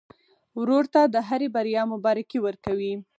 ورور ته د هرې بریا مبارکي ورکوې.